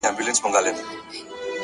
بدلون د ودې برخه ده!